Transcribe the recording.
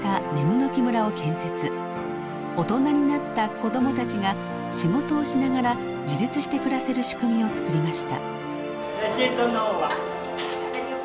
大人になった子どもたちが仕事をしながら自立して暮らせる仕組みを作りました。